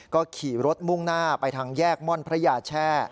ก็ขี่รถมุ่งหน้าไปทางแยกม่อนพระยาแช่